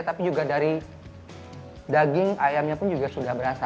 tapi juga dari daging ayamnya pun juga sudah berasa